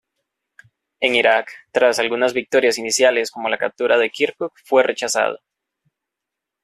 En Irak, tras algunas victorias iniciales como la captura de Kirkuk, fue rechazado.